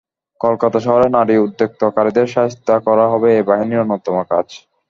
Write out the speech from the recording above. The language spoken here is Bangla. কলকাতা শহরে নারী উত্ত্যক্তকারীদের শায়েস্তা করাই হবে এই বাহিনীর অন্যতম কাজ।